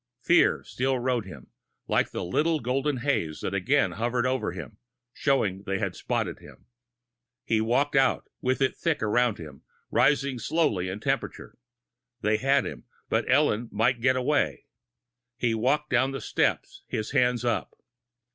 Fear still rode him, like the little golden haze that again hovered over him, showing they had spotted him. He walked out, with it thick around him, rising slowly in temperature. They had him but Ellen might get away. He walked down the steps, his hands up.